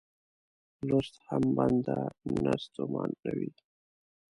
په لوست هم بنده نه ستومانوي.